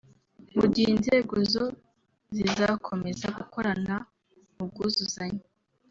mu gihe inzego zo zizakomeza gukorana mu bwuzuzanye